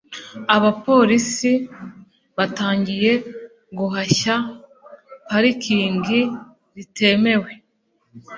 Abapolisi batangiye guhashya parikingi zitemewe.